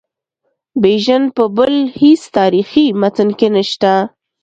بیژن په بل هیڅ تاریخي متن کې نسته.